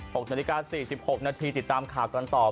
หกนาฬิกา๔๖นาทีติดตามข่ากรรณตอบ